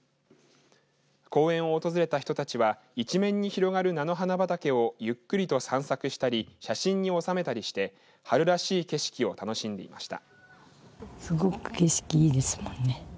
公園を訪れた人たちは一面に広がる菜の花畑をゆっくりと散策したり写真に収めたりして春らしい景色を楽しんでいました。